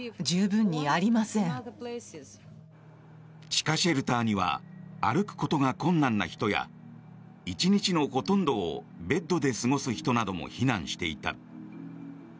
地下シェルターには歩くことが困難な人や１日のほとんどをベッドで過ごす人なども避難していた。